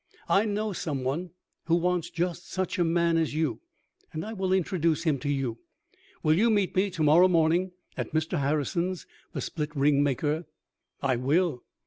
I know some one who wants just such a man as you, and I will introduce him to you. Will you meet me to morrow morning at Mr. Harrison's, the split ring maker?" "I will."